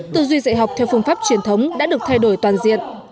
tư duy dạy học theo phương pháp truyền thống đã được thay đổi toàn diện